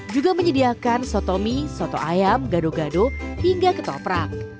juga menyediakan soto mie soto ayam gado gado hingga ketoprak